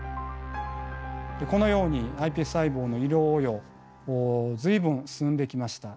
このようにｉＰＳ細胞の医療応用随分進んできました。